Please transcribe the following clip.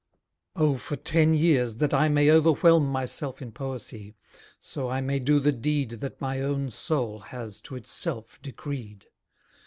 O for ten years, that I may overwhelm Myself in poesy; so I may do the deed That my own soul has to itself decreed.